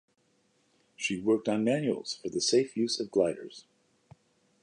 She worked on manuals for the safe use of gliders.